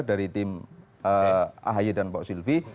dari tim ahy dan pak silvi